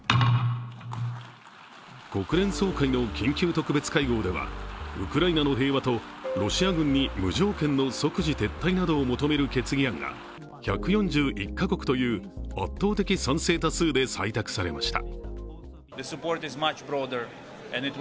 国連総会の緊急特別会合ではウクライナの平和とロシア軍に無条件の即時撤退などを求める決議案が１４１か国という圧倒的賛成多数で採択されました。